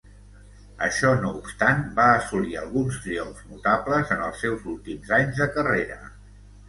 Això no obstant, va assolir alguns triomfs notables en els seus últims anys de carrera.